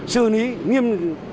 sư lý nghiêm